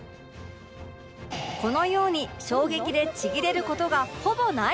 このように衝撃でちぎれる事がほぼないんです